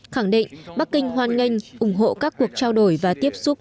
khẳng định bắc kinh hoan nghênh ủng hộ các cuộc trao đổi và tiếp xúc